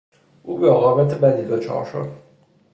او به عاقبت بدی دچار شد.